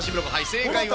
正解は。